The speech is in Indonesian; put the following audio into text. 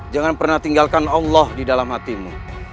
jangan pernah tinggalkan allah di dalam hatimu